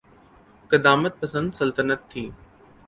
قدامت پسند سلطنت تھی۔